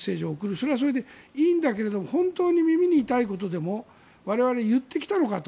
それはそれでいいんだけど本当に耳に痛いことでも我々は言ってきたのかと。